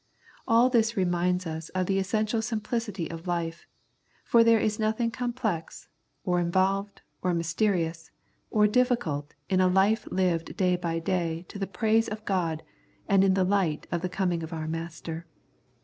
And all this reminds us of the essential simplicity of life, for there is nothing complex, or involved, or mysterious, or difficult in a life lived day by day to the praise of God and in the light of the coming of our Master.